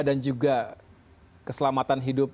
dan juga keselamatan hidup